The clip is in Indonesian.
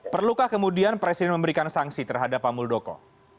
perlukah kemudian presiden memberikan sanksi terhadap pak muldoko